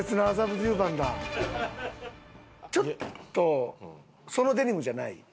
ちょっとそのデニムじゃない？